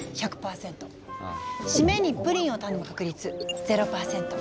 シメにプリンを頼む確率０％。